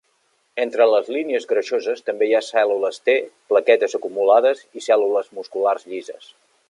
Entre les línies greixoses també hi ha cèl·lules T, plaquetes acumulades i cèl·lules musculars llises.